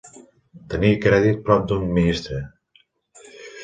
Tenir crèdit prop d'un ministre.